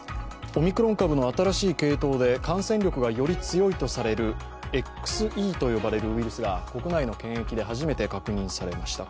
オミクロン株の新しい系統で感染力がより強いとされるＸＥと呼ばれるウイルスが国内の検疫で初めて確認されました。